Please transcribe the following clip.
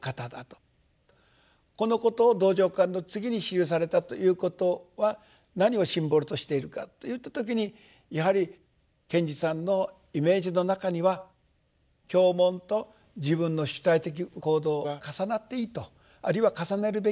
このことを道場観の次に記されたということは何をシンボルとしているかといった時にやはり賢治さんのイメージの中には経文と自分の主体的行動が重なっていいとあるいは重ねるべきだと。